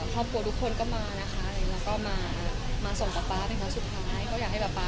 ขอบคุณทุกคนก็มานะคะแล้วก็มามาส่งป่าสุดท้ายก็อยากให้บ่าเปา